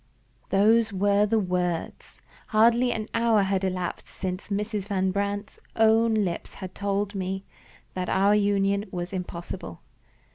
Those were the words! Hardly an hour had elapsed since Mrs. Van Brandt's own lips had told me that our union was impossible.